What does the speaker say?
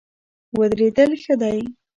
ودرېدل ښه دی.